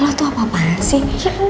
lo tuh apaan sih